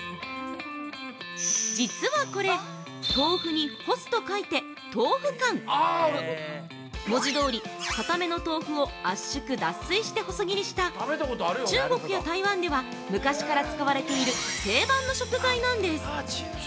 実はこれ、「豆腐」に「干す」と書いて「豆腐干」文字どおり、硬めの豆腐を圧縮・脱水して細切りした、中国や台湾では昔から使われている定番の食材なんです。